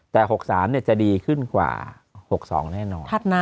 แต่๖๓จะดีขึ้นกว่า๖๒แน่นอน